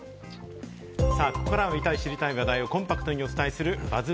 ここからは見たい知りたい話題をコンパクトにお伝えするＢＵＺＺ